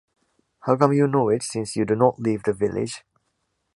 How come you know it since you do not leave the village.